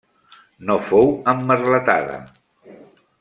No fou emmerletada.